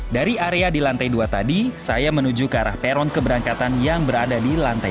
dari area di lantai dua tadi saya menuju ke arah peron keberangkatan yang berada di lantai tiga